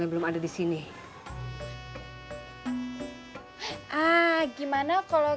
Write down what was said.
li fleet siap siap lah